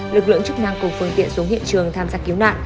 lực lượng chức năng cùng phương tiện xuống hiện trường tham gia cứu nạn